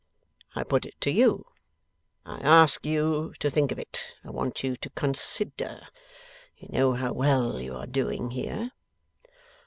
I put it to you. I ask you to think of it. I want you to consider. You know how well you are doing here.